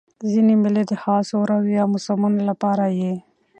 ځیني مېلې د خاصو ورځو یا موسمونو له پاره يي.